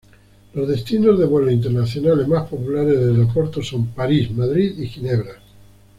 Los destinos de vuelos internacionales más populares desde Oporto son París, Madrid y Ginebra.